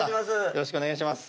よろしくお願いします